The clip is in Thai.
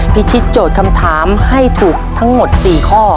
พิชิตโจทย์คำถามให้ถูกทั้งหมด๔ข้อ